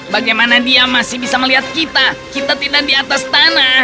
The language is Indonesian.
bagaimana dia masih bisa melihat kita kita tidak di atas tanah